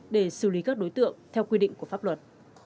để xử lý các đối tượng theo quy định của pháp luật